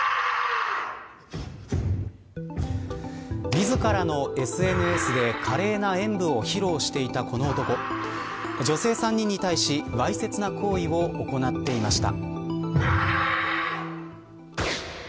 自らのＳＮＳで華麗な演舞を披露していたこの男女性３人に対しわいせつな行為を行っていました。